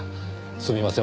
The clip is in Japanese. すみません